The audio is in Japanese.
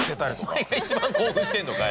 お前が一番興奮してんのかい。